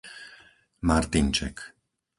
Martinček